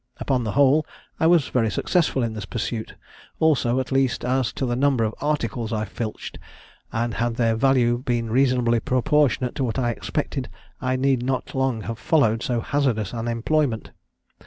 Upon the whole, I was very successful in this pursuit also, at least as to the number of articles I filched; and had their value been reasonably proportionate to what I expected, I need not long have followed so hazardous an employment.